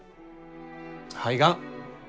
肺がん。